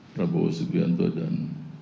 prabowo subianto dan